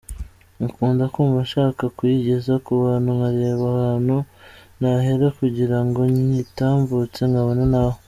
Nkakunda kumva nshaka kuyigeza ku bantu nkareba ahantu nahera kugira ngo nyitambutse nkabona ntaho.